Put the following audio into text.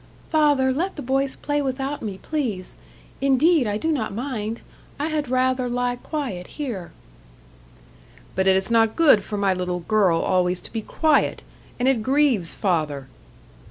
"Father, let the boys play without me, please. Indeed, I do not mind. I had rather lie quiet here." "But it is not good for my little girl always to be quiet, and it grieves father."